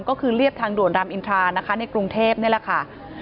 ก็คือเรียบทางด่วนรามอินทรานะคะในกรุงเทพนี่แหละค่ะ